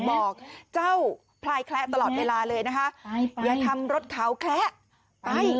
บอกเจ้าพลายแคละตลอดเวลาเลยนะคะอย่าทำรถเขาแคละไป